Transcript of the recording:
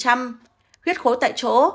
huyết khối tại chỗ